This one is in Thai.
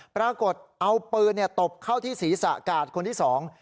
ปรากฏเอาปืนตบเข้าที่ศีรษะกาดคนที่สอง